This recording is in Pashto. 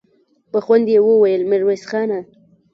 په خوند يې وويل: ميرويس خانه!